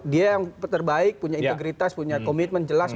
dia yang terbaik punya integritas punya komitmen jelas